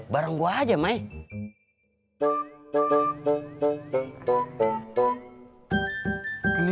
bareng gue aja maik